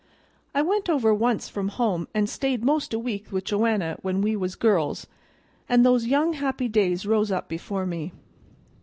I went over once from home and stayed 'most a week with Joanna when we was girls, and those young happy days rose up before me.